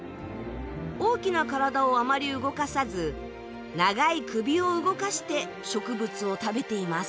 大きな体をあまり動かさず長い首を動かして植物を食べています。